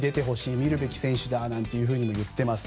見るべき選手だなんて言ってます。